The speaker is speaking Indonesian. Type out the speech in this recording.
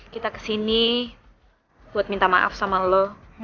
kita kesini buat minta maaf sama lo